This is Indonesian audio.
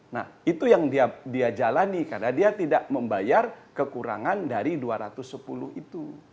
nah itu yang dia jalani karena dia tidak membayar kekurangan dari dua ratus sepuluh itu